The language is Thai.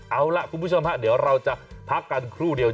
เอาล่ะคุณผู้ชมฮะเดี๋ยวเราจะพักกันครู่เดียว